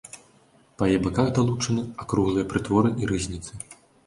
Па яе баках далучаны акруглыя прытворы і рызніцы.